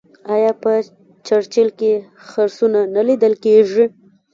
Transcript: آیا په چرچیل کې خرسونه نه لیدل کیږي؟